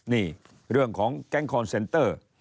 นี่เรื่องของแก๊งคอนเซนเตอร์